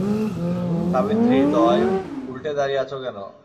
সাবিত্রী তয়, উল্টে দাঁড়িয়ে আছো কেন?